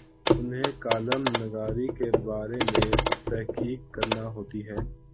انہیں کالم نگاری کے بارے میں تحقیق کرنا ہوتی ہے۔